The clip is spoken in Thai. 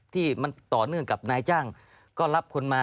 ที่มันต่อเนื่องกับนายจ้างก็รับคนมา